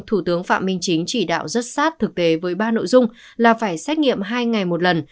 thủ tướng phạm minh chính chỉ đạo rất sát thực tế với ba nội dung là phải xét nghiệm hai ngày một lần